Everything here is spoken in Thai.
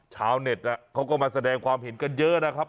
ชาวเน็ตเขาก็มาแสดงความเห็นกันเยอะนะครับ